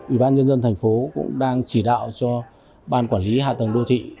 ủy ban nhân dân thành phố cũng đang chỉ đạo cho ban quản lý hạ tầng đô thị